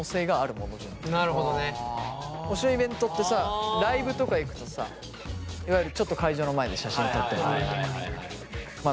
推しのイベントってさライブとか行くとさいわゆるちょっと会場の前で写真撮ってもらうとか。